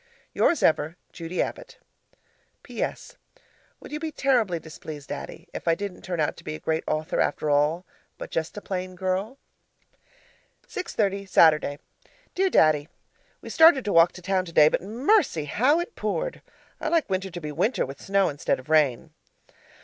Yours ever, Judy Abbott PS. Would you be terribly displeased, Daddy, if I didn't turn out to be a Great Author after all, but just a Plain Girl? 6.30, Saturday Dear Daddy, We started to walk to town today, but mercy! how it poured. I like winter to be winter with snow instead of rain.